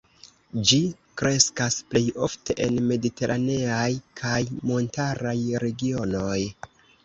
Ĝi kreskas plej ofte en mediteraneaj kaj montaraj regionoj.